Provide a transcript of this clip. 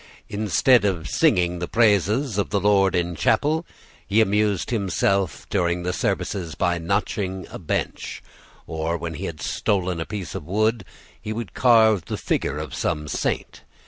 Instead of singing the praises of the Lord in the chapel, he amused himself, during the services, by notching a bench; or, when he had stolen a piece of wood, he would carve the figure of some saint.